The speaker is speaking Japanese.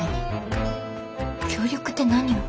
協力って何を？